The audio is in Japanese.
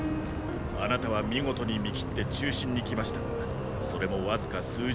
あなたは見事に見切って中心に来ましたがそれもわずか数十騎。